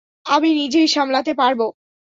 আমি নিজেই সামলাতে পারবো।